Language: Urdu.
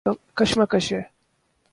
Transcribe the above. مارکس کے ہاں یہ طبقاتی کشمکش ہے۔